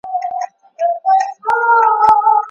د ماشوم پوزه په نرم ټوکر پاکه کړئ.